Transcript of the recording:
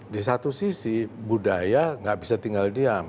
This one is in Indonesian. di satu sisi budaya gak bisa tinggal diam